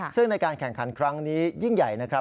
ซึ่งในการแข่งขันครั้งนี้ยิ่งใหญ่นะครับ